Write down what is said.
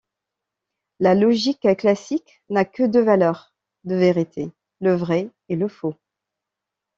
La logique classique, n'a que deux valeurs de vérité, le vrai et le faux.